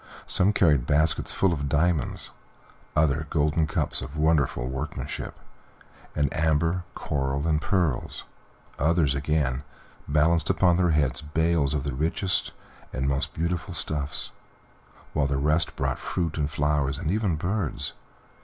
Some carried baskets full of diamonds, others golden cups of wonderful workmanship, and amber, coral, and pearls, others, again, balanced upon their heads bales of the richest and most beautiful stuffs, while the rest brought fruit and flowers, and even birds.